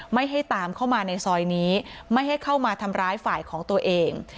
ไม่ให้ตามเข้ามาในซอยนี้ไม่ให้เข้ามาทำร้ายฝ่ายของตัวเอง